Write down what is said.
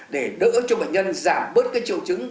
để đỡ cho bệnh nhân giảm bớt cái triệu chứng